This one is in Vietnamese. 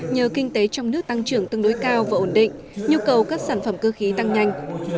nhờ kinh tế trong nước tăng trưởng tương đối cao và ổn định nhu cầu các sản phẩm cơ khí tăng nhanh